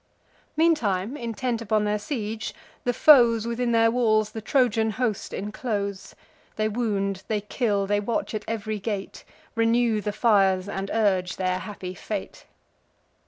Meantime, intent upon their siege, the foes Within their walls the Trojan host inclose: They wound, they kill, they watch at ev'ry gate; Renew the fires, and urge their happy fate.